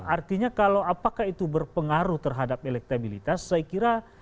artinya kalau apakah itu berpengaruh terhadap elektabilitas saya kira